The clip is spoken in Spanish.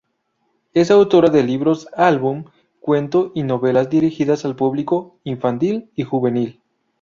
Es autora de libros álbum, cuentos y novelas dirigidas al público infantil y juvenil.